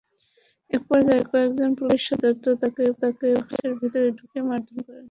একপর্যায়ে কয়েকজন পুলিশ সদস্য তাঁকে পুলিশ বক্সের ভেতর ঢুকিয়ে মারধর করেন।